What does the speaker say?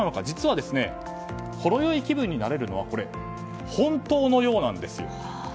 実は、ほろ酔い気分になれるのはこれ、本当のようなんです。